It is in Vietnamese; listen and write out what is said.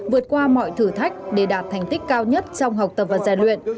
vượt qua mọi thử thách để đạt thành tích cao nhất trong học tập và giàn luyện